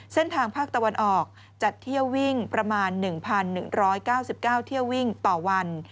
เส้นทางภาคตะวันออกจัดเที่ยววิ่งประมาณ๑๑๙๙เที่ยววิ่งต่อวัน